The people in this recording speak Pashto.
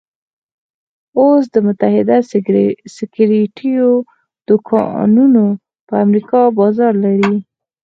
اوس د متحده سګرېټو دوکانونه په امريکا کې بازار لري.